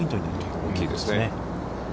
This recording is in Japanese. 大きいですね。